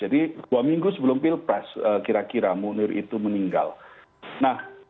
jatuhannya dan membuat thousand